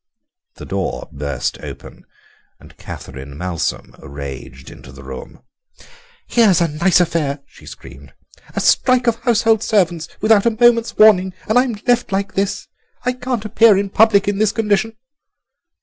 The door burst open and Catherine Malsom raged into the room. "Here's a nice affair," she screamed, "a strike of household servants without a moment's warning, and I'm left like this! I can't appear in public in this condition."